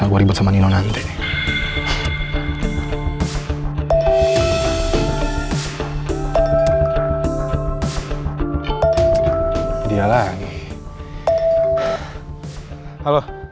aku tidak mau kemana mana